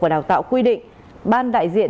và đào tạo quy định ban đại diện